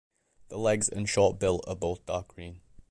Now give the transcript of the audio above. The legs and short bill are both dark green.